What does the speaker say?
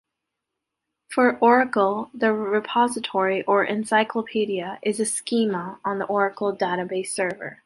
For Oracle, the repository, or 'encyclopedia', is a schema on the Oracle database server.